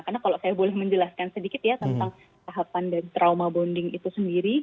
karena kalau saya boleh menjelaskan sedikit ya tentang tahapan dan trauma bonding itu sendiri